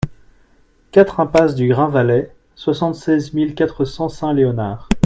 quatre impasse du Grainvallet, soixante-seize mille quatre cents Saint-Léonard